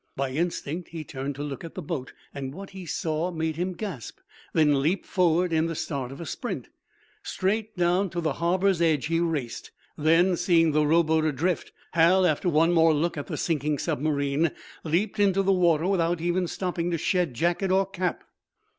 By instinct he turned to look at the boat, and what he saw made him gasp, then leap forward in the start of a sprint. Straight down to the harbor's edge he raced. Then, seeing the rowboat adrift, Hal, after one more look at the sinking submarine, leaped into the water without stopping even to shed jacket or cap.